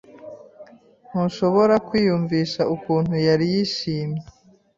Ntushobora kwiyumvisha ukuntu yari yishimye.